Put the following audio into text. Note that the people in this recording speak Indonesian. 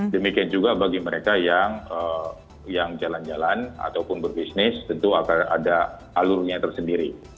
demikian juga bagi mereka yang jalan jalan ataupun berbisnis tentu akan ada alurnya tersendiri